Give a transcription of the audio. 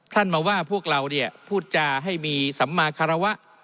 ท่านมาว่าพวกเราพูดจาให้มีสัมมาครวะ